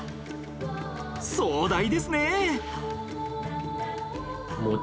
壮大ですね！